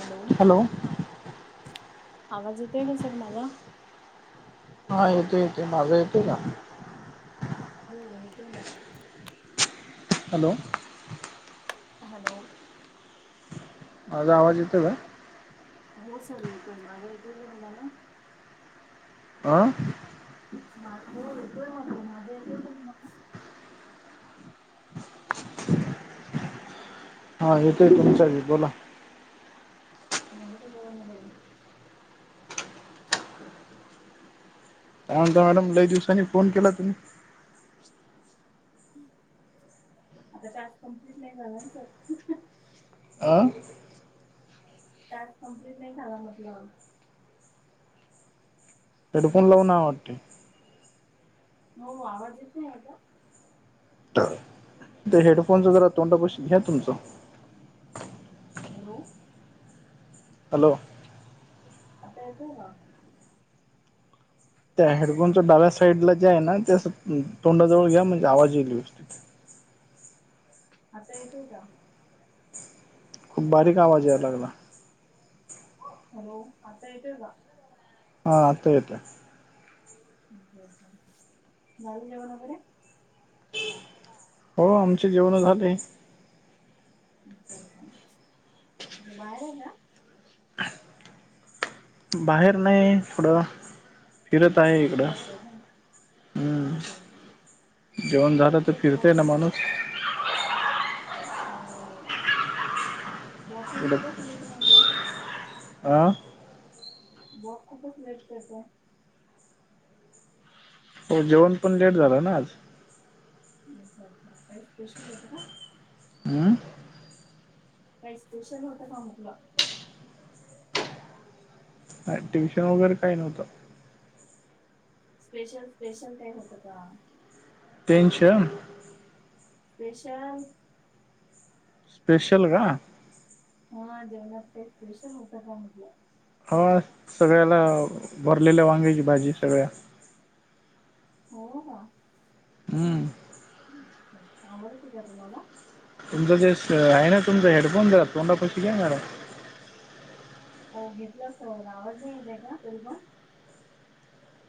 Hello आवाज येतोय का सर माझा? हा येतो येतो माझं येतेय का? हो येतोय ना हॅलो हॅलो माझा आवाज येतो का? हो सर येतोय माझा येतोय का तुम्हाला? अं? माझ एक माझ माझ्या एक झा मा? हा हॅलो येतोय तुमचा बोला. झालं का जेवन वघेरे? सांग मॅडम ल दिवसांनी फोन केला तुम्ही. आता टास्क कम्प्लीट नाही झाला ना सर. आं? तज कम्प्लीट नाही झाला मधलं. हेडफोन लावून वाटते. हो आवाज येत नाही आहे का? तर हेडफोन् वगरा तोंडापशी घ्या तुमचं. Hello hello. आता येतंय ना? त्या हेडफोनच डाव्या साईडला जे आहे ना त्या तोंडाजवळ घ्या म्हणजे आवाज येई व्यवस्थित. आता येतोय का? खूप बारीक आवाज यायला लाला. हॅलो आता येतय का? हा आत् येतय. झालं जेवन वेघरे? हो आमचे जेवण झाले. बाहेर आहे का? बाहेर नाही थोडं फिरत आहे वॉक इकडं करताय ना म हम्म जेवण झालं बरच तर नाहीट फिरते वॉक. ना माणूस walking to the fridge water. आं? बप खूपच लेट करताय. हो जेवण पण लेट झाला ना आज. अच्छा अच्छा काय स्पेशल होतं का? हं? काही स्पेशल होतं का मुकला? ट्युशन वगैरे काही नव्हतं. स्पेशल, स्पेशल काय होतं का? Tension [unintelligible] special. स्पेशल का? हा जेवणात काय स्पेशल होतं का? म्हटलं. [unintelligible] सगळ्याला भरलेल्या वांग्याची भाजी, सगळ्या हो ना. हम्म. [unintelligible] आवडती का तुम्हाला? तुमचं जे आहे ना तुमचा हेडफोन द्या. तोंडपशी काय ना. हो घेतलंचअसतं. आवाज नाही येतय का तरी पण?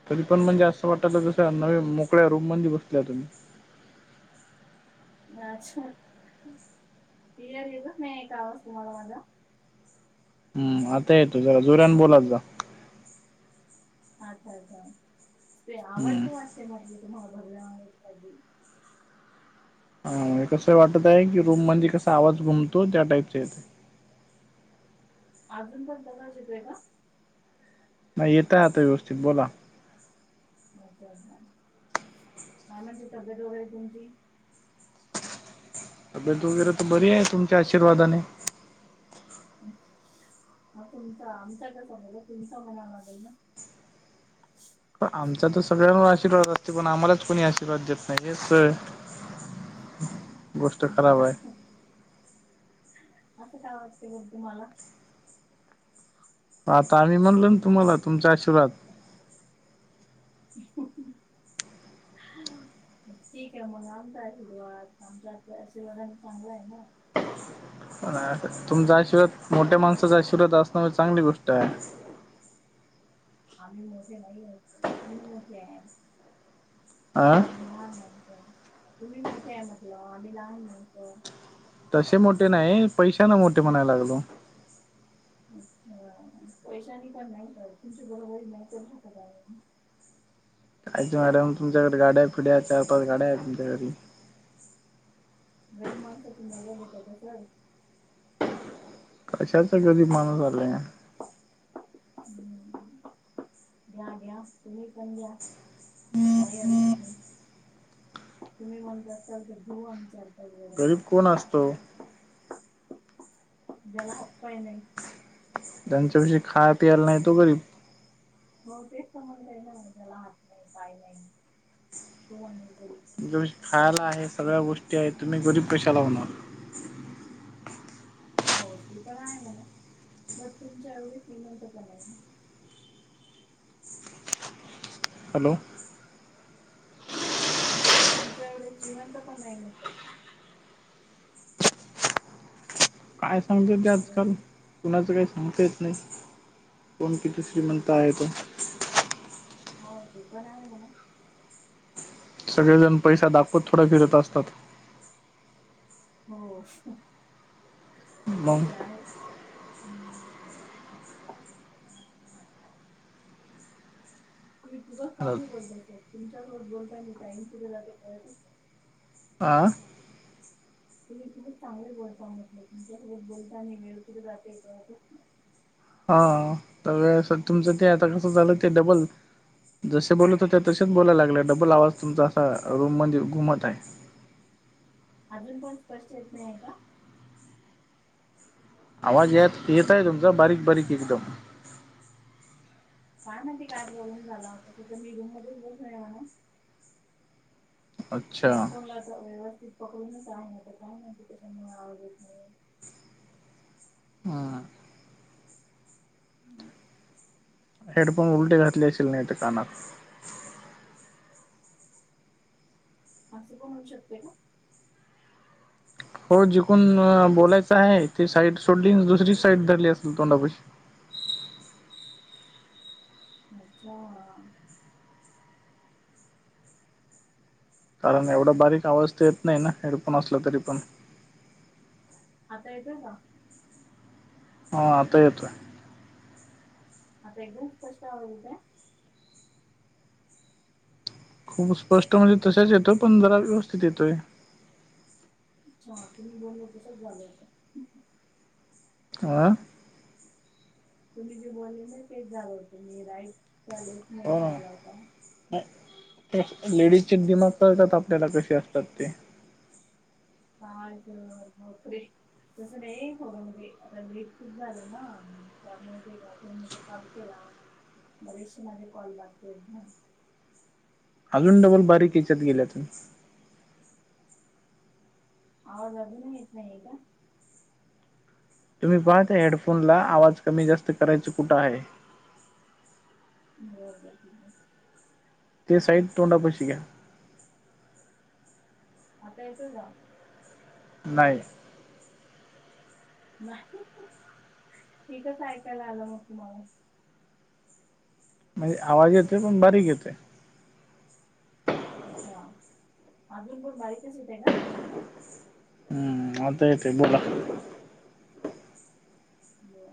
तरी पण म्हणजे असं वाटलं जसं, नवीन मोकळ्या रूम मध्ये बसल्या तुम्ही. [unintelligible] क्लिअर येतच नाही का आवाज? तुम्हाला माझा. हम् आता येतो जरा जोरान बोलात जा. अच्छा! अच्छा, ! ते हम्म आवडते वाटते [unintelligible] तुम्हाला भरल्या वांग्याची भाजी हा कसं वाटतय आहे की रूम मध्ये कसा आवाज घुमतो त्या टाईपचे येतं अजून पण तसाच येतोय का नाही, येतय आता व्यवस्थित, बोला. अच्छा, अच्छा. काय म्हणते? तब्येत वगैरे तुमची. तब्येत वगैरे तर बरीय, तुमच्या आशीर्वादाने. [unintelligible] हा तुमचा आमचा कसा तुमचा म्हणायला लागेल ना आमचा तर सगळ्यांवर आशीर्वाद असतोय पण आम्हालाच कोणी आशीर्वाद देत नाही. हे सग [unintelligible] [unintelligible] असं काय वाटते बरं तुम्हाला? आता आम्ही म्हणल ना तुम्हाला. तुमचा आशीर्वाद. ठीकय मग. आमचा आशीर्वाद आमच्या आशीर्वादानी चांगलाय ना. तुमचा आशीर्वाद मोठ्या माणसाचा आशीर्वाद असणं म्हणजे चांगली गोष्ट आहे आम्ही मोठे नाही आहोत, तुम्ही मोठे आहे. अ आम्ही लहान माणसं तुम्ही मोठे आहे म्हटल आम्ही लहान म्हणतो तसे मोठे नाही पैशानं मोठे म्हणाय लागलो पैशानी पण नाही सर तुमची बरोबरी नाही करू शकत आम्ही [unintelligible] मॅडम तुमच्याकडे गाड्या फिड्या आहे चार पाच गाड्या आहेत तुमच्याघरी गरीब माणसाची मजा घेताय का सर कशाच गरीब माणूस आलाय हम् [unintelligible] हम घ्या घ्या तुम्ही पण घ्या काही हरकत नाही तुम्ही म्हणत असताल तर घेऊ आमच्या आम्ही पाच वेळा गरीब कोण असत ओ? ज्याला हात पाय नाही त्यांच्यापाशी खाया पियाला नाही तो गरीब हो तेच तर म्हणते न ज्याला हात नाही, पाय नाही, तो माणूस गरीब. तुमच्यापाशी खायला आहे सगळ्या गोष्टी आहेत तुम्ही गरीब कशाला होणार हो ते पण आहे म्हणा बट तुमच्या एवढी श्रीमंत पण नाही ना हॅलो! तुमच्या एवढे श्रीमंत पण नाही म्हटल काय सांगता येत हॅलो आजकाल कुणाचं काही सांगता येत नाही. कोण किती श्रीमंत आहे तो हो ते पण आहे म्हणा सगळेजण पैसा दाखवत थोडं फिरत असतात हो मग ते आहे [inaudible] तुम्ही खूपच [unintelligible] हा बोलला सर तुमच्या बरोबर बोलताय नाही टाईम कुठे गेला ते कळतच नाही आं.. तुम्ही खूच चांगले बोलता म्हटलं तुमच्यासोबत बोलताना वेळ कुठे जाते कळतच ना हा तर सर तुमचं ते आता कसं झालं ते डबल जसे बोलत होते तसेच बोलायला लागले डबल आवाज तुमचा असा रूम मध्ये घुमत आहे अजून पण स्पष्ट येत नाही आहे का? आवाज य येत आहे हॅलो तुमचा बारीक बारीक एकदम काय नाही ते काय प्रॉब्लेम झाला तसं तर मी रूम मध्येच बसून [unintelligible] अच्छा हेडफोनला तर व्यवस्थित पकडूनच आहे आता काय माहिती कशामुळे आवज नाहीये हां हम्म हेडफोन उलटे घातले असेल नाही तर कानात असं पण होऊ शकते का? हो जिकडून बोलायच आहे ती साईड सोडली दुसरी साईड धरली असल तोंडापशी अच्छा ह कारण एवढा बारीक आवाज तर येत नाही ना हेडफोन असला तरी पण आता येत का ह आता येतोय हा प्रेग्न्सी कशा आ होत खूप स्पष्ट म्हणजे तशाच येतोय पण जरा व्यवस्थित येतोय अच्छा तुम्ही बोलले तसच झाल आह तुम्ही जे बोलले ना तेच झालं होतं मी राईट कॉलेज मध्ये टाकला होता लेडीज चे दिमाग कळतात आपल्याला कसे असतात ते काा जर नक तसं नाहीोघ्यामध्ये आता लेट खूप झालं ना त्यामुळे ते गामध्ये कॉल केला बरीच मध्ये कॉल बॅक के ना अजून डबल बारीक याच्यात गेल्यातून आवाज अजून येत नाहीय का तुम्ही पाहात हेडफोन ला आवाज कमी जास्त करायचा कुठं आहे हो ते साईड तोंडा प शिक्या आता येतो जा नाही नाही इथच ऐकाल आलं मग तुम्हाला म्हणजे आवाज येते पण बारीक येते अच्छा अजून पण बारीकच येते ना हम्म आता येत आहे बोला हो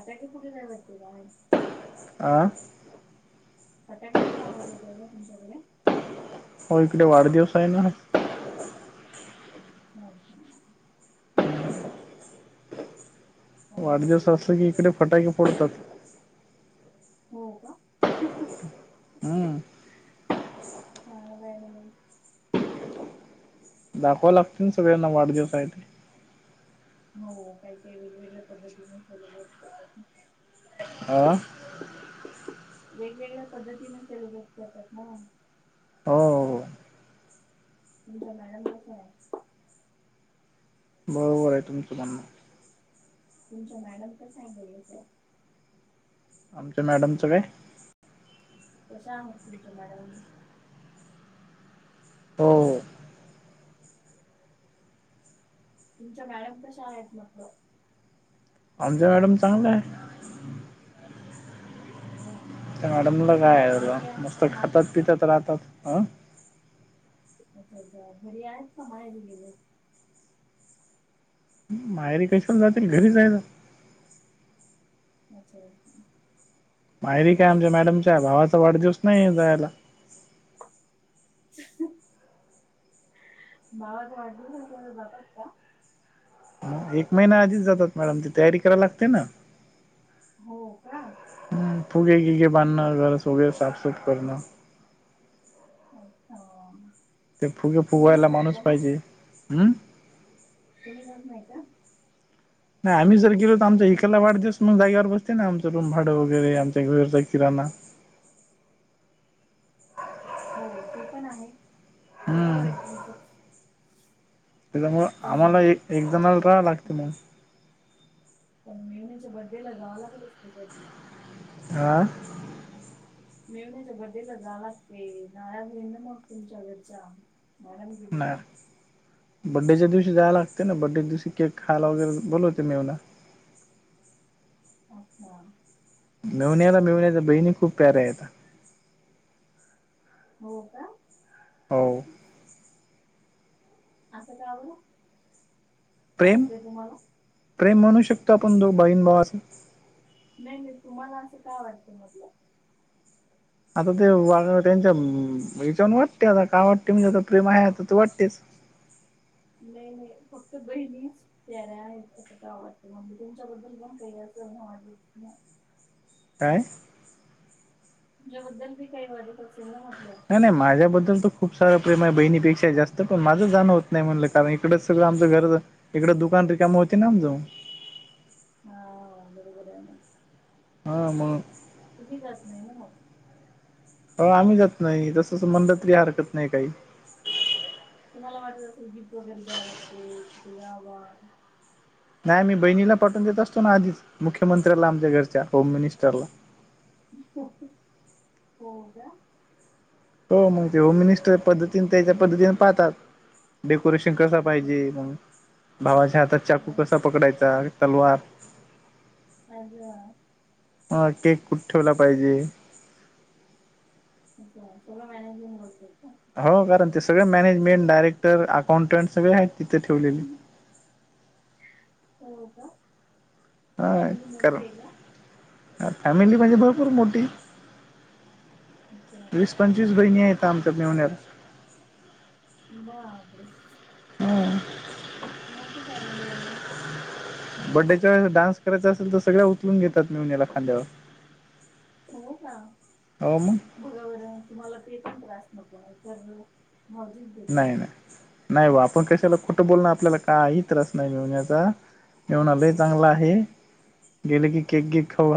आता का कुठे जा भ आहे आं हटाकेंत आेतय तुमच्याकडे हो इकडे वाढदिवस आहे ना अच्छा अस वाढजे त्यामुळेच अस येत असत असेल की इकडे कदाचित फटाके फोडतात मवा हम्म वाळ म दाखव लागते ना सगळ्यांना वाढदिवसा आहे हो काही काही वेगवेगळ्या पद्धतीने सल्रेट अ वेगवेगळ्या पद्धतीने सेलिब्रेट करतात ना हो हो तुमचं मॅडम कसं आहे बरोबर आहे तुमचं बनणं तुमच मॅडम कसं आहे बोोलचं आमच्या मॅडमचं काय कसं आहेह तुमच्या मडम हो तुमच मॅडम कशा आहेत म्हटलं आमज मॅडम चांगलं आहे ह् त्या मॅडमलं काय आहे झालं मस्त खातात पितात राहतात ह अच्छा अच्छा घरी आहेत का मा आहे गेले मायरी कशी पण जातील घरीच आहे ना अच्छा मायरी काय असंच आमच्या मॅडमच्या भावाचा वाढदिवस नाही जायला बावा तर वाटलीलं तर बघात का एक महिना आधीच जातात मॅडम ती तयारी कराला लागते ना हो का हम् फुगे किगे बांधणं घरस वगैरे साफसफ करणं अच् ते फुगे फुगयला माणूस पाहिजे हम्म तुम्ही घ नाही का नाही आम्ही जर गेलो तर आम ह एिकयला वाढदवस मग जागेवर बसते ना आमचं रूम भाड वगैरे आम घरचा किराणा हो ते पण आहे बरोबर हम्म आहे तुमच त्याच्यामुळ आम्हाला एक एक जणला राहा लागते मग ण मेनं बर्तडे ला जाला कलत सर आा मेवण्याच्या बर््डे ला जा लागते नाराज ना मग तुमच्या घरचा मला तुच्या नाही बड्डेच्या दिवशी जायव लागते ना बड्डेच्या दिवशी केक खायला वगैरे बोल होते मेवना अच्छा मेवण्याला मिेवण्याच्या बहिणी खूप प्याऱ्या आहेत हो का हो असं काय बलं प्रेम वाटतंय तुम्हाला प्रेम म्हणू शकतो आपण जो बाईण भावाचा नाही नाही तुम्हाला असं काय वाटतं मधलं आता ते त्यांच्या हच्याून वाटते आता काय वाटते म्हणजे आता प्रेम आहे आता ते वाटतेस नाही नाही फक्त बहीणीच तेर आहेत असं का आवडतं म्हणजे तुमच्या बद्दल पण काही असं वाटलं नाही काय तुझ्याबद्दल मी काही वाजत असेल ना म्हटलं नाही नाही माझ्याबद्दल तर खूप सारा प्रेम आहे बहिणीपेक्षा जास्त पण माझंच जाणं होत नाही म्हणलं कारण इकडच सगळं आमं घरच इकडें दुकान र काम होती ना आमज हा बरोबर आहे म हा मग तुही जात नाही ना मग आम्ही जात नाही तसंच म्हणलं तरी हरकत नाही काही तुम्हाला वाटत असल गिफ्ट वगैरे द्यावं लागते तिथ जावा नाही आ मी बहिणीला पाठवून देत असतो ना आधीच मुख्यमंत्र्याला आमच्या घरच्या होम मिनिस्टरला होऊ का हो मग ते होम मिनिस्टर पद्धतीने त्याच्या पद्धतीने पाहतात. डेकोरेशन कसा अच्छा पाहिजे म भावाच्या हातात चाकू कसा अच्छा पकडायचा तलवार. आज. ह केक कुठ ठेवला पाहिजे. अच्छा सगळं मॅनेजमेंट करतो का. हो कारण ते सगळे मॅनेजमेंट डायरेक्टर अकाउंटंट सगळे आहेत तिथे ठेवलेले. हो का. हा फॅमिली मोठी आहे का कारण फॅमिली म्हणजे भरपूर मोठी. अच्छा वीस पंचवीस बहिणी आहेत आमच्या पाहण्यात. बापरे! हा मोठीच आहे मग. बर्थडेच्या वेळेस द्या डान्स करायचा असेल तर सगळेच उचलून घेतात अंगावर. का हो मग बघा बर तुम्हाला ते पण त्रास नको आहे कर. हजी. नाही नाही नाही वा आपण कशाला कुठं बोलणार आपल्याला काही त्रास नाही मिळण्याचा. मेहुना लई चांगलं आहे गेले की केक गेक खाऊ